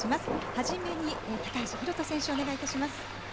はじめに、高橋宏斗選手、お願いいたします。